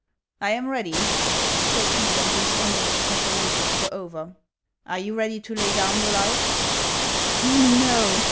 " I am ready," said he, when these ominous preparations were over ;" are you ready to lay down your life i " "No!"